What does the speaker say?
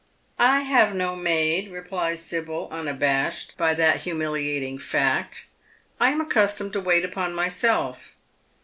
" I have no maid," replies Sibyl, unabashed by that humilia ting fact ;" I am accustomed to wait upon myself."